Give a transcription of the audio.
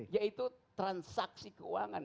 yaitu transaksi keuangan